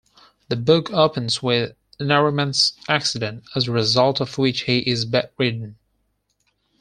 The book opens with Nariman's accident as a result of which he is bedridden.